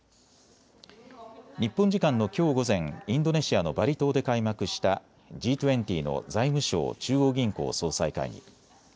日本時間のきょう午前、インドネシアのバリ島で開幕したＧ２０の財務相・中央銀行総裁会議。